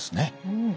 うん。